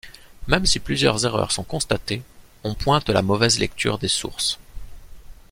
Même si plusieurs erreurs sont constatées, on pointe la mauvaise lecture des sources.